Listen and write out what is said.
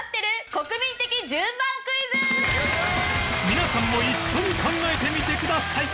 皆さんも一緒に考えてみてください